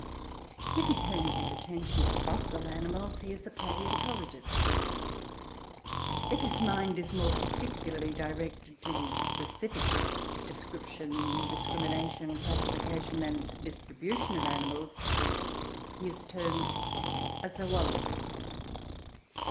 If he turns his attention to fossil animals, he is a palaeontologist. If his mind is more particularly directed to the specific description, discrimination, classification, and distribution of animals, he is termed a zoologist.